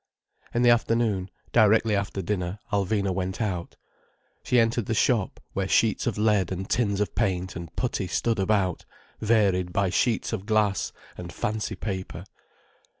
In the afternoon, directly after dinner, Alvina went out. She entered the shop, where sheets of lead and tins of paint and putty stood about, varied by sheets of glass and fancy paper.